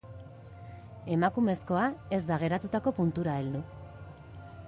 Emakumezkoa ez da geratutako puntura heldu.